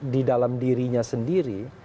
di dalam dirinya sendiri